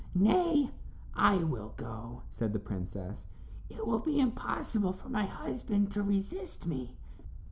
"Nay, I will go," said the princess; "it will be impossible for my husband to resist me."